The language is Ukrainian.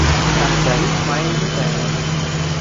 — Ардарік має юдея.